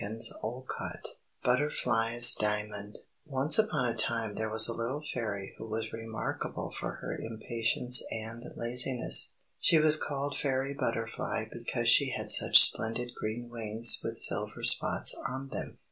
John Todd_ (Adapted) BUTTERFLY'S DIAMOND Once upon a time there was a little Fairy who was remarkable for her impatience and laziness. She was called Fairy Butterfly because she had such splendid green wings with silver spots on them.